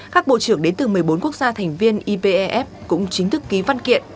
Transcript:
các bộ trưởng đến từ một mươi bốn quốc gia thành viên ipef cũng chính thức ký văn kiện